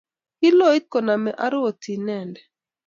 kiloit koname aroti inende